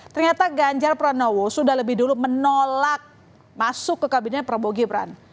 ternyata ganjar pranowo sudah lebih dulu menolak masuk ke kabinet prabowo gibran